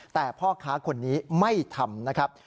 แต่พ่อค้าคนนี้ไม่ทำนะครับ